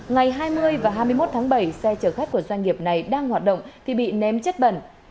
ngày hai mươi và hai mươi một tháng bảy xe chở khách của doanh nghiệp này đang hoạt động thì bị ném chất bẩn